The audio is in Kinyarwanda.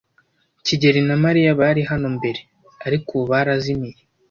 kigeli na Mariya bari hano mbere, ariko ubu barazimiye.